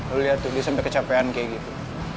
lo liat tuh dia sampe kecapean kayak gitu